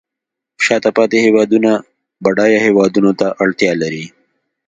شاته پاتې هیوادونه بډایه هیوادونو ته اړتیا لري